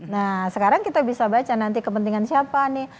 nah sekarang kita bisa baca nanti kepentingan siapa nih